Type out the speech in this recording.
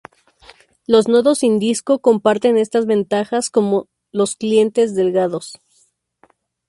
Los nodos sin disco comparten estas ventajas con los clientes delgados.